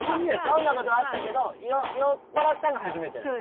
飲んだことはあったけど酔っ払ったのは初めてなんや？